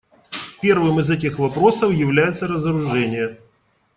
Первым из этих вопросов является разоружение.